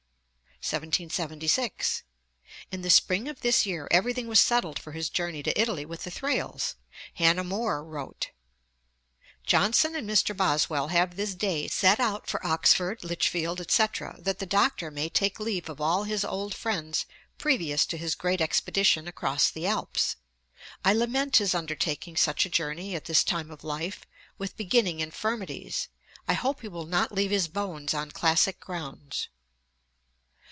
Ante, ii. 387, note 2. 1776. In the spring of this year everything was settled for his journey to Italy with the Thrales. Hannah More wrote (Memoirs, i. 74): 'Johnson and Mr. Boswell have this day set out for Oxford, Lichfield, &c., that the Doctor may take leave of all his old friends previous to his great expedition across the Alps. I lament his undertaking such a journey at his time of life, with beginning infirmities. I hope he will not leave his bones on classic grounds.'